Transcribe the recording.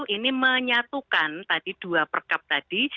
ini menyatukan tadi dua perkap tadi